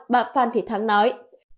bà phan thị thắng nói